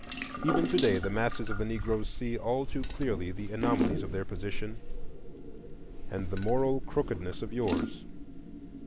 Even to day the masses of the Negroes see all too clearly the anomalies of their position and the moral crookedness of yours.